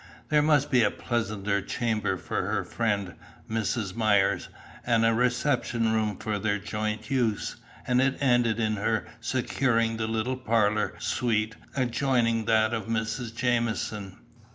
There must be a pleasanter chamber for her friend, Mrs. Myers, and a reception room for their joint use, and it ended in her securing the little parlour suite adjoining that of Mrs. Jamieson.